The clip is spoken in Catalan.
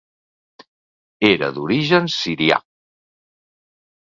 Era d'origen sirià.